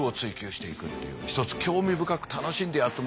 ひとつ興味深く楽しんでやってもらえたら。